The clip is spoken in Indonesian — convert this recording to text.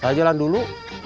saya jalan dulu